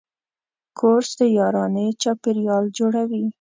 کورس د یارانې چاپېریال جوړوي.